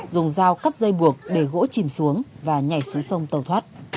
dùng dao cắt dây buộc để gỗ chìm xuống và nhảy xuống sông tàu thoát